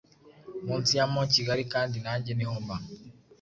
Munsi ya mont kigali kandi nanjye niho mba